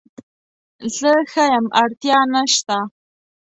زه ښه یم اړتیا نشته